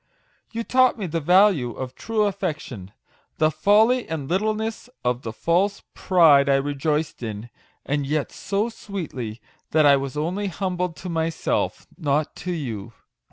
You taught me the value of true affection the folly and littleness of the false pride I rejoiced in ; and yet so sweetly, that I was only humbled to myself not to you.